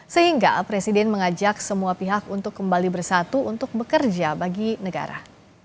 sehingga presiden mengajak semua pihak untuk kembali bersatu untuk bekerja bagi negara